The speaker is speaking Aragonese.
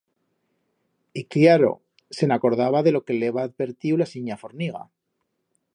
Y, cllaro, se'n acordaba de lo que le heba advertiu la sinya Forniga.